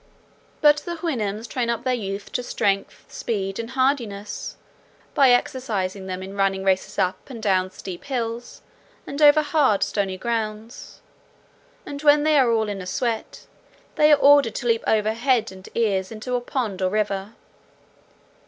But the Houyhnhnms train up their youth to strength, speed, and hardiness, by exercising them in running races up and down steep hills, and over hard stony grounds; and when they are all in a sweat, they are ordered to leap over head and ears into a pond or river.